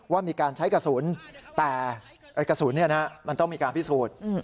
ว่ามีการใช้กระสุนแต่กระสุนมันต้องมีการพิสูจน์